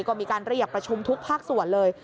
ก็มีการเรียกประชุมทุกภาคส่วนเลย